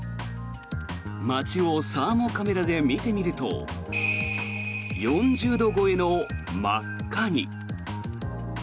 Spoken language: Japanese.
街をサーモカメラで見てみると４０度超えの真っ赤に。